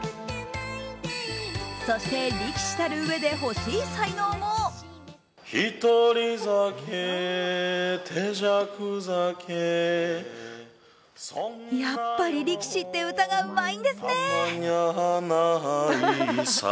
そして力士たるうえで欲しい才能もやっぱり力士って歌がうまいんですね。